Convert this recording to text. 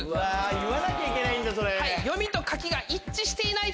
言わなきゃいけないんだ。